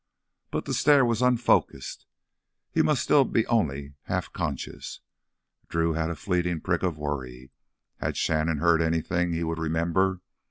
But the stare was unfocused; he must still be only half conscious. Drew had a fleeting prick of worry. Had Shannon heard anything he would remember?